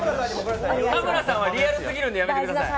田村さんはリアルすぎるんでやめてください。